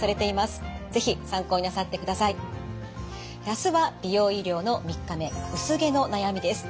あすは美容医療の３日目薄毛の悩みです。